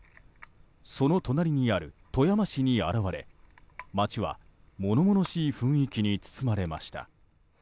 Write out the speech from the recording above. その隣にある富山市に現れ街は、ものものしい雰囲気に包まれました。